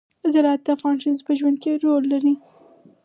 زراعت د افغان ښځو په ژوند کې رول لري.